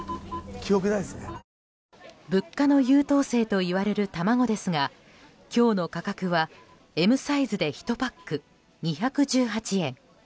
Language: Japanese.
物価の優等生といわれる卵ですが今日の価格はＭサイズで１パック２１８円。